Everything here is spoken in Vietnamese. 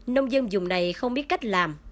nông dân dùng này không biết cách làm